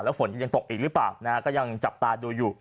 ฝนจะยังตกอีกหรือเปล่านะฮะก็ยังจับตาดูอยู่